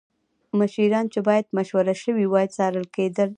مشیران چې باید مشوره شوې وای څارل کېدل